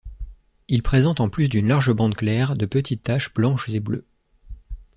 Il présente en plus d'une large bande claire de petites taches blanches et bleues.